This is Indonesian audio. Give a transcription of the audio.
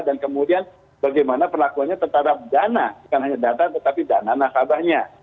dan kemudian bagaimana perlakuannya terhadap dana bukan hanya data tetapi dana nasabahnya